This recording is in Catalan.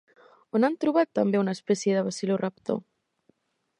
On han trobat també una espècie de Velociraptor?